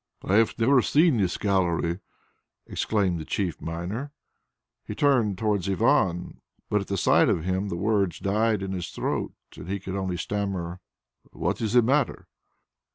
"I have never seen this gallery!" exclaimed the chief miner. He turned towards Ivan, but at the sight of him the words died in his throat, and he could only stammer, "What is the matter?"